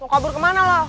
mau kabur kemana lo